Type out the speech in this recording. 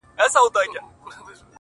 دا چي انجوني ټولي ژاړي سترگي سرې دي.